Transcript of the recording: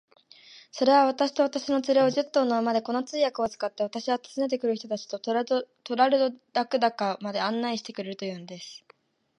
それは、私と私の連れを、十頭の馬で、この通訳を使って、私は訪ねて来る人たちとトラルドラグダカまで案内してくれるというのです。